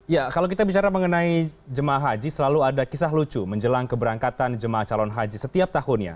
ya kalau kita bicara mengenai jemaah haji selalu ada kisah lucu menjelang keberangkatan jemaah calon haji setiap tahunnya